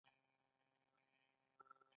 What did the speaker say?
یو سل او اووه شپیتمه پوښتنه راپور دی.